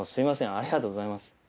ありがとうございます。